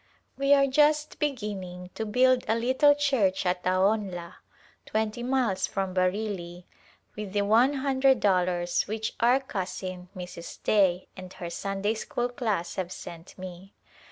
We are just beginning to build a little church at Aonla, twenty miles from Bareilly, with the one hun dred dollars which our cousin, Mrs. Day, and her Sunday school class have sent me.